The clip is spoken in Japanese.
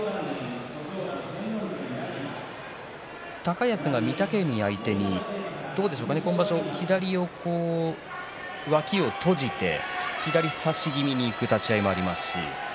高安が御嶽海相手に今場所脇を閉じて左を差し気味にいく立ち合いもありますし